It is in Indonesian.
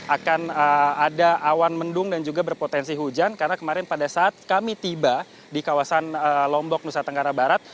akan ada awan mendung dan juga berpotensi hujan karena kemarin pada saat kami tiba di kawasan lombok nusa tenggara barat